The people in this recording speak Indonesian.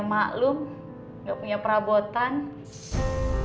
udah bohong siapa dia untuk murid bu caretnya